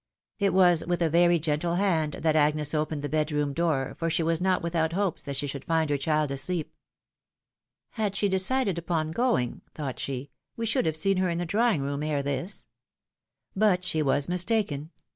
It was with a very gentle hand that Agnes opened the bedroom door, for she was not without hopes that she should find her child asleep. " Had she decided upon going," thought she, " we MRS. O'dONAGOUGH VOID OP VANITY. 351 should hare seen lier in the drawing room ere this." But she ■was mistaken.